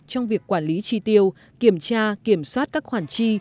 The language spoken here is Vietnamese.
trong việc quản lý tri tiêu kiểm tra kiểm soát các khoản tri